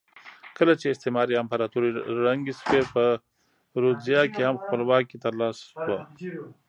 کله چې استعماري امپراتورۍ ړنګې شوې په رودزیا کې هم خپلواکي ترلاسه شوه.